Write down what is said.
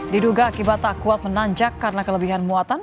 diduga akibat tak kuat menanjak karena kelebihan muatan